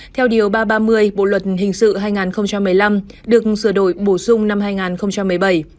theo điều ba trăm ba mươi bộ luật hình sự hai nghìn một mươi năm được sửa đổi bổ sung năm hai nghìn một mươi bảy